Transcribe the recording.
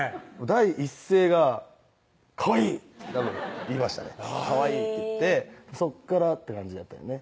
第一声が「かわいい！」ってたぶん言いましたね「かわいい」って言ってそこからって感じだったよね